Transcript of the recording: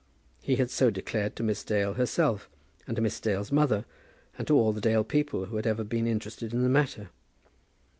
He had so declared to Miss Dale herself and to Miss Dale's mother, and to all the Dale people who had ever been interested in the matter.